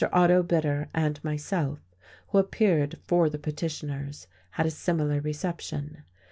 Otto Bitter and myself, who appeared for the petitioners, had a similar reception.